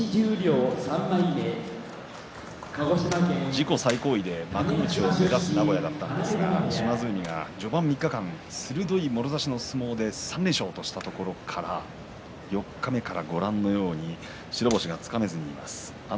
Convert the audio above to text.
自己最高位で幕内を目指す名古屋だったんですが島津海は序盤に３日間もろ差しの相撲で３連勝としたところから四日目からご覧のように白星がつかめずにいます。